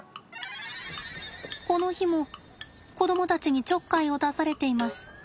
この日も子供たちにちょっかいを出されています。